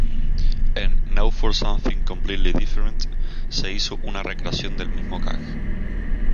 En "Now for Something Completely Different" se hizo una recreación del mismo gag.